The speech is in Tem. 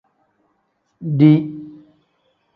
Dii.